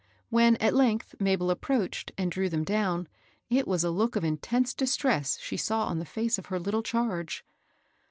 When, at length, Mabel approached and drew them down, it was a look of intense distress she saw on the face of her little charge.